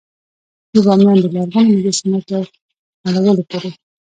د بامیان د لرغونو مجسمو تر نړولو پورې.